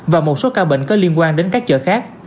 và một số ca bệnh có liên quan đến các chợ khác